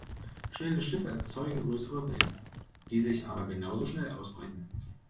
Schnelle Schiffe erzeugen größere Wellen, die sich aber genauso schnell ausbreiten.